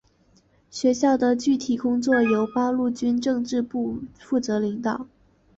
学校的具体工作由八路军政治部负责领导。